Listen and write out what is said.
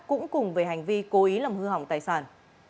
cũng cùng về hành vi cố ý làm hư hỏng tài sản